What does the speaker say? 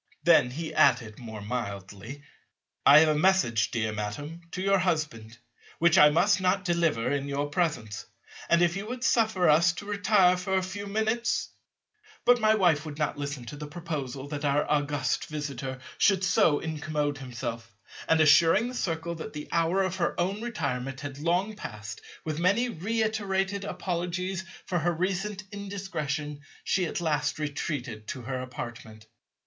Then he added more mildly, "I have a message, dear Madam, to your husband, which I must not deliver in your presence; and, if you would suffer us to retire for a few minutes—" But my wife would not listen to the proposal that our august Visitor should so incommode himself, and assuring the Circle that the hour of her own retirement had long passed, with many reiterated apologies for her recent indiscretion, she at last retreated to her apartment.